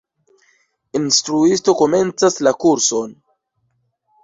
Instruisto komencas la kurson.